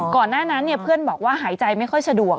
ก่อนหน้านั้นเพื่อนบอกว่าหายใจไม่ค่อยสะดวก